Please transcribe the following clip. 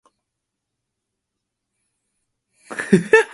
It stars Amaia Salamanca as the titular character.